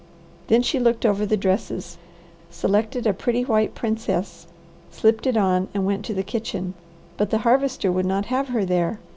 Then she looked over the dresses, selected a pretty white princesse, slipped it on, and went to the kitchen. But the Harvester would not have her there.